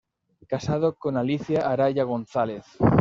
Casado con "Alicia Araya González".